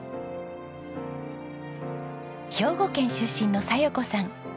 兵庫県出身の佐代子さん。